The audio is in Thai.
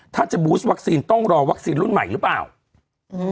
ถ้าจะบูสวัคซีนต้องรอวัคซีนรุ่นใหม่หรือเปล่าอืม